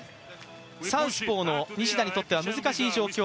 サウスポーの西田にとっては難しい状況。